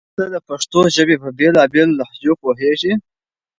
آیا ته د پښتو ژبې په بېلا بېلو لهجو پوهېږې؟